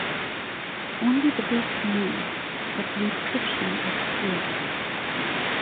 Only the base remains but the inscription is clear.